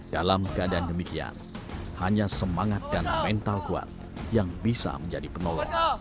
dalam keadaan demikian hanya semangat dana mental kuat yang bisa menjadi penolong